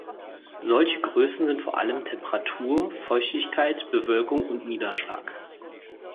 Solche Größen sind vor allem Temperatur, Feuchtigkeit, Bewölkung und Niederschlag.